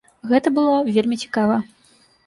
Гэта было вельмі цікава.